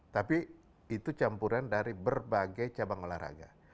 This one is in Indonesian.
tapi itu campuran dari berbagai cabang olahraga